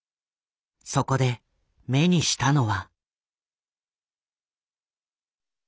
そこで目にしたのは。